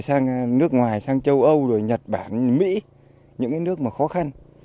sang nước ngoài sang châu âu rồi nhật bản mỹ những cái nước mà khó khăn